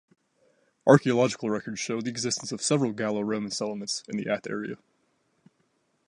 Archeological records show the existence of several Gallo-Roman settlements in the Ath area.